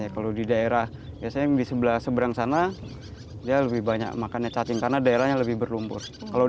kalau di daerah biasanya yang di sebelah seberang sana dia lebih banyak makannya cacing karena daerahnya lebih berlumpur